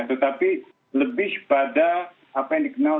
tetapi lebih pada apa yang dikenal